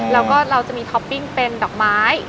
แล้วก็เราจะมีท็อปปิ้งเป็นดอกไม้